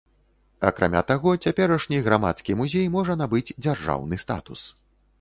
Акрамя таго, цяперашні грамадскі музей можа набыць дзяржаўны статус.